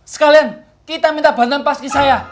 sekalian kita minta bantuan pasti saya